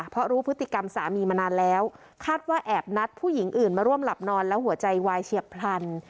เพราะรู้พฤติกรรมสามีมานานแล้วคาดว่าแอบนัดผู้หญิงอื่นมาร่วมหลับนอนแล้วหัวใจวายเฉียบพลัน